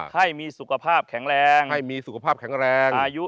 ด้วยแนะนำผลังทาทหักให้มีสุขภาพแข็งแรง